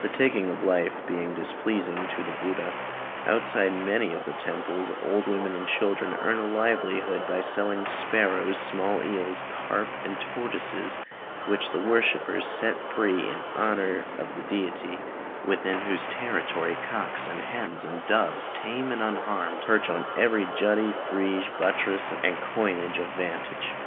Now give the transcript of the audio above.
The taking of life being displeasing to Buddha, outside many of the temples old women and children earn a livelihood by selling sparrows, small eels, carp, and tortoises, which the worshipper sets free in honour of the deity, within whose territory cocks and hens and doves, tame and unharmed, perch on every jutty, frieze, buttress, and coigne of vantage.